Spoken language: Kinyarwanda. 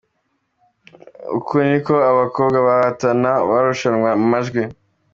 Uku niko aabakobwa bahatana barushanwa mu majwi.